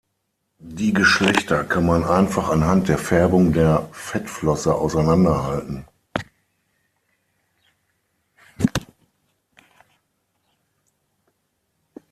Die Geschlechter kann man einfach anhand der Färbung der Fettflosse auseinanderhalten.